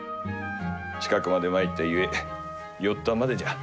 近くまで参ったゆえ寄ったまでじゃ。